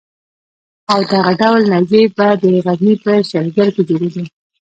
او دغه ډول نېزې به د غزني په شلګر کې جوړېدې.